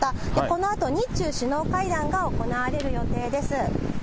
このあと日中首脳会談が行われる予定です。